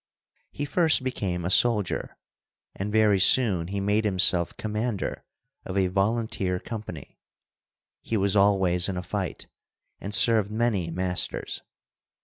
He first became a soldier, and very soon he made himself commander of a volunteer company. He was always in a fight, and served many masters.